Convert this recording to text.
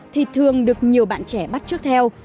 thì thường được nhiều bạn trẻ bắt trước theo